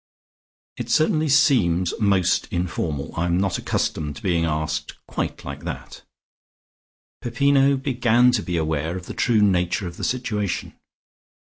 "It certainly seems most informal. I am not accustomed to be asked quite like that." Peppino began to be aware of the true nature of the situation.